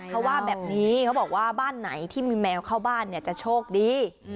เขาว่าแบบนี้เขาบอกว่าบ้านไหนที่มีแมวเข้าบ้านเนี่ยจะโชคดี